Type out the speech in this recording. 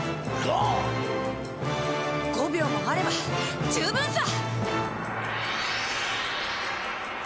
５秒もあれば十分さ！